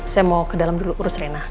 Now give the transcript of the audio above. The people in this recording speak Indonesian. saya mau ke dalam dulu urus rena